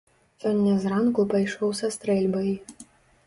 Сёння зранку пайшоў са стрэльбай.